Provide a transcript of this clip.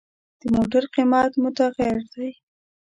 د موټر قیمت متغیر دی.